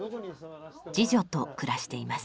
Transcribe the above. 次女と暮らしています。